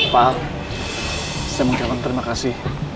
pak saya mau jawab terima kasih